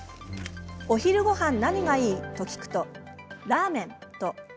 お昼ごはん何がいい？と聞くとラーメンと。